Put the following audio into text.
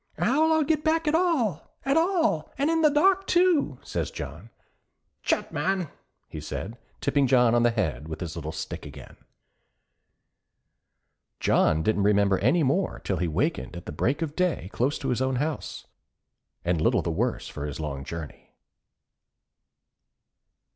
'How'll I get back at all, at all, an' in the dark, too?' says John. 'Tchut, man,' he said, tipping John on the head with his little stick again. John didn't remember any more till he wakened at the break of day close to his own house, and little the worse for his long journey.